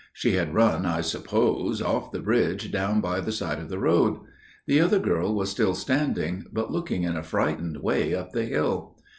She had run, I suppose, off the bridge down by the side of the road. The other girl was still standing––but looking in a frightened way up the hill.